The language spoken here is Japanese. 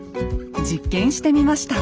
実験してみました。